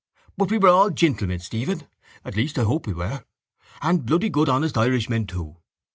But we were all gentlemen, Stephen—at least I hope we were—and bloody good honest Irishmen too.